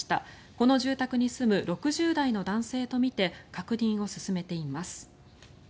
この住宅に住む６０代の男性とみて確認を進めています。